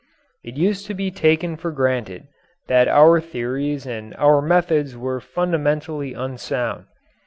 It used to be taken for granted that our theories and our methods were fundamentally unsound.